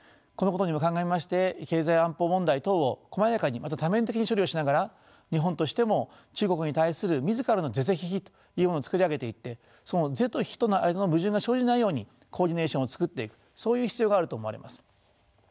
このことにも鑑みまして経済安保問題等をこまやかにまた多面的に処理をしながら日本としても中国に対する自らの是々非々というものを作り上げていってその是と非との間の矛盾が生じないようにコーディネーションを作っていくそういう必要があると思われます。